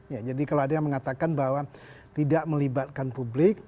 ya jadi kalau ada yang mengatakan bahwa tidak melibatkan publik